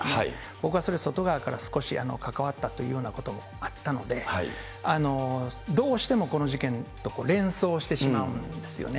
僕はそれ、外側から少し関わったというようなこともあったので、どうしてもこの事件と連想してしまうんですよね。